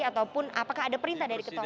ataupun apakah ada perintah dari ketua